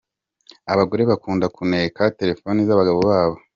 Abagore bakunda kuneka telefoni z’abagabo babo